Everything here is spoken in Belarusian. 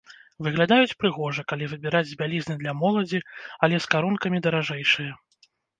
Выглядаюць прыгожа, калі выбіраць з бялізны для моладзі, але з карункамі даражэйшыя.